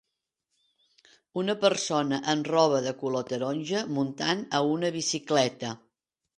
Una persona amb roba de color taronja muntant a una bicicleta.